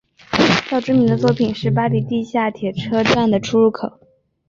较知名的作品是巴黎地下铁车站的出入口。